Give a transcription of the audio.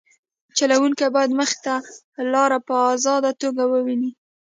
چلوونکی باید مخې ته لاره په ازاده توګه وویني